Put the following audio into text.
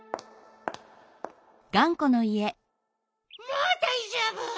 もうだいじょうぶ！